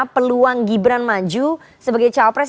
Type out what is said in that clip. peluang gibran maju sebagai cawapres